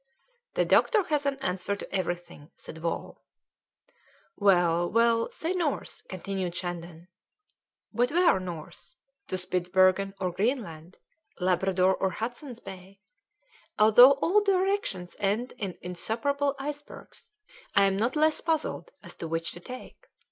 "The doctor has an answer to everything," said Wall. "Well, we'll say north," continued Shandon. "But where north? To Spitzbergen or Greenland? Labrador or Hudson's Bay? Although all directions end in insuperable icebergs, I am not less puzzled as to which to take.